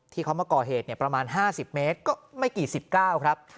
ที่เขามาก่อเหตุประมาณ๕๐เมตรก็ไม่กี่๑๙ครับ